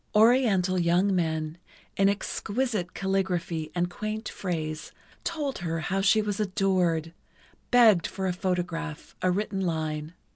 Oriental young men, in exquisite calligraphy and quaint phrase, told her how she was adored, begged for a photograph, a written line.